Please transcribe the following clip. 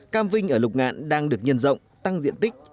cam vinh ở lục ngạn đang được nhân rộng tăng diện tích